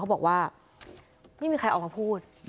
บอกว่าไม่มีใครออกมาพูด